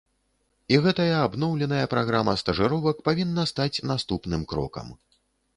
І гэтая абноўленая праграма стажыровак павінна стаць наступным крокам.